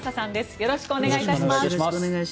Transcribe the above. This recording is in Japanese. よろしくお願いします。